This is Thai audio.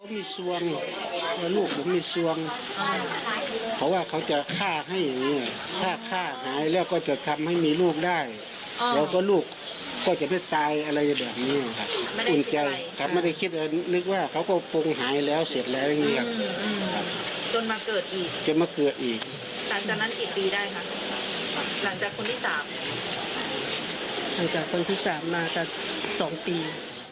หลังจากคนที่สามหลังจากคนที่สามมาจะสองปี